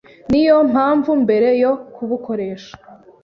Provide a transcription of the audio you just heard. Niyo mpamvu mbere yo kubukoresha